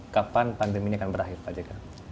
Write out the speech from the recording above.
kapan pandemi ini akan berakhir pak jk